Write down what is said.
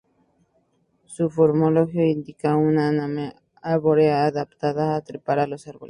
Su morfología indica una anatomía arbórea, adaptada a trepar a los árboles.